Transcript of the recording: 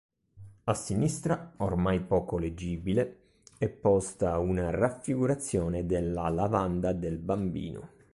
A sinistra, ormai poco leggibile, è posta una raffigurazione della "Lavanda del Bambino".